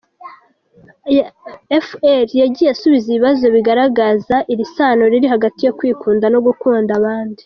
fr, yagiye asubiza ibibazo bigaragaza iri sano riri hagati yo kwikunda no gukunda abandi.